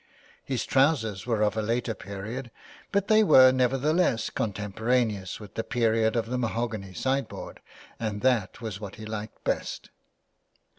His trousers were of a later period, but they were, nevertheless, contemporaneous with the period of the mahogany sideboard, and that was what he liked best.